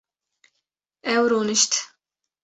Ew rûnişt